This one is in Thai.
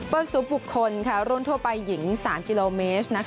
ซุปบุคคลรุ่นทั่วไปหญิง๓กิโลเมตร